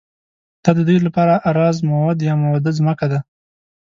دا ددوی لپاره ارض موعود یا موعوده ځمکه ده.